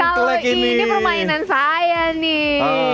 kalau ini permainan saya nih